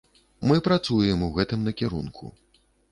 Мы працуем у гэтым накірунку.